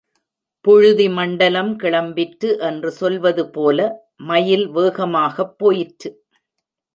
புழுதி மண்டலம் கிளம்பிற்று என்று சொல்வது போல, மயில் வேகமாகப் போயிற்று.